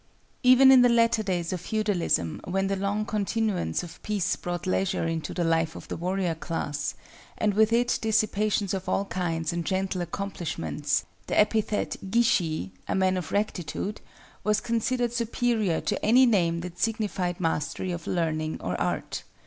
Even in the latter days of feudalism, when the long continuance of peace brought leisure into the life of the warrior class, and with it dissipations of all kinds and gentle accomplishments, the epithet Gishi (a man of rectitude) was considered superior to any name that signified mastery of learning or art.